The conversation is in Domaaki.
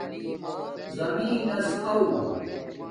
زمین نس آݸ